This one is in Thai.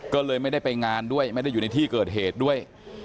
ก็เลยไม่ได้ไปงานด้วยไม่ได้อยู่ในที่เกิดเหตุด้วย